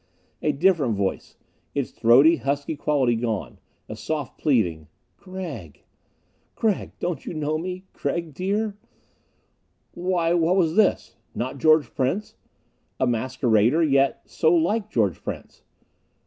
A different voice; its throaty, husky quality gone. A soft pleading. "Gregg "Gregg, don't you know me? Gregg, dear...." Why, what was this? Not George Prince? A masquerader, yet so like George Prince.